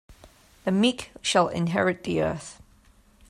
The meek shall inherit the earth.